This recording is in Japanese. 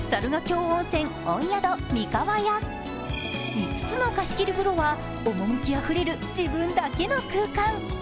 ５つの貸し切り風呂は趣あふれる自分だけの空間。